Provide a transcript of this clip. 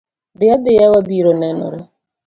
Dhi adhiya wabiro nenore.